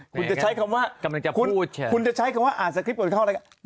คุณจะใช้คำว่าคุณจะใช้คำว่าอ่านสคริปก่อนเข้าอะไร